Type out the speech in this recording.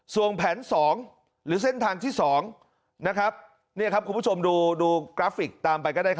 ส่วนแผน๒หรือเส้นทางที่๒คุณผู้ชมดูกราฟิกตามไปก็ได้